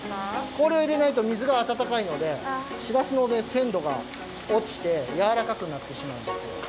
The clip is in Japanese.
こおりをいれないと水があたたかいのでしらすのせんどがおちてやわらかくなってしまうんですよ。